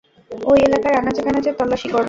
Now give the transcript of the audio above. ঐ এলাকার আনাচে কানাচে তল্লাসি করো।